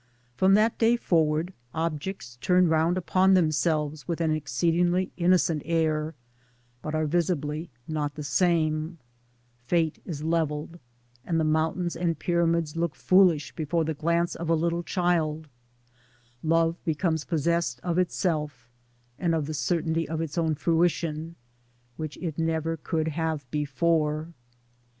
From that day forward objects turn round upon them selves with an exceedingly innocent air, but are visibly not the same ; Fate is leveled, and the mountains and pyramids look foolish before the glance of a little child ; love becomes possessed of itself, and of the certainty of its own fruition (which it never could have before).